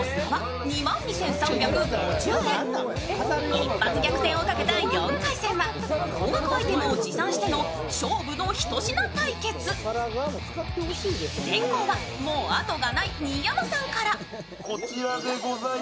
一発逆転をかけた４回戦は高額アイテムを持参しての「勝負の一品対決」。先攻はもう後がない新山さんから。